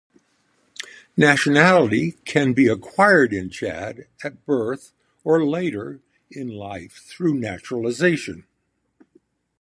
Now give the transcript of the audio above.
Nationality can be acquired in Chad at birth or later in life through naturalization.